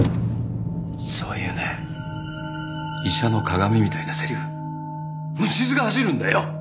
そういうね医者の鑑みたいなセリフ虫ずが走るんだよ！